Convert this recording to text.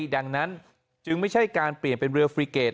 ดังนั้นจึงไม่ใช่การเปลี่ยนเป็นเรือฟรีเกต